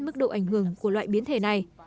mức độ ảnh hưởng của loại biến thể này